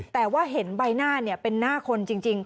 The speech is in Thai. แต่ว่าเห็นใบหน้าเป็นหน้าคนจริง